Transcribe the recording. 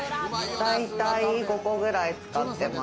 だいたい５個ぐらい使ってます。